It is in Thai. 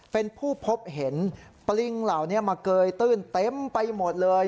เป็นผู้พบเห็นปริงเหล่านี้มาเกยตื้นเต็มไปหมดเลย